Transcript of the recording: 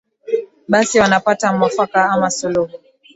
basi wanapata mwafaka ama suluhu